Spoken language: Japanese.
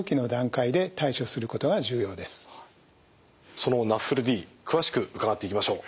そのＮＡＦＬＤ詳しく伺っていきましょう。